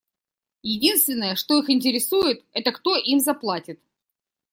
Единственное, что их интересует, — это кто им заплатит.